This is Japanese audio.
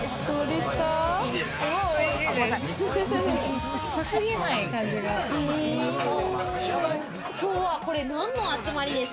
すごいおいしいです。